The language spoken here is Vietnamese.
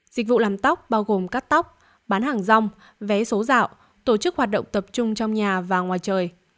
dịch vụ làm tóc bao gồm cắt tóc bán hàng rong vé số dạo tổ chức hoạt động tập trung trong nhà và ngoài trời